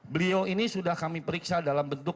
beliau ini sudah kami periksa dalam bentuk